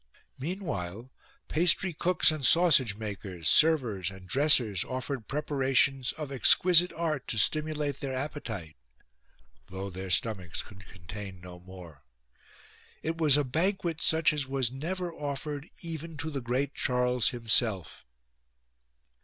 Meanwhile pastry cooks and sausage makers, servers and dressers offered preparations of exquisite art to stimulate their appetite, though their stomachs could contain no more : it was a banquet such as was never offered even to the great Charles himself.